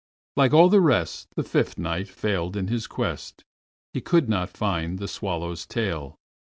Like all the rest, the Fifth Knight failed in his quest—he could not find the swallow's shell.